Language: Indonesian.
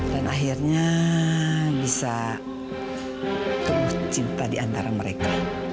dan akhirnya bisa temukan cinta di antara mereka